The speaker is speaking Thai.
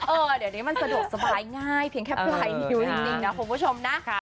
เออเดี๋ยวนี้มันสะดวกสบายง่ายเพียงแค่ปลายนิ้วจริงนะคุณผู้ชมนะ